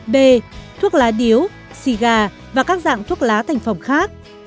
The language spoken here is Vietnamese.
b thuốc lá điếu xì gà và các dạng thuốc lá thành phẩm khác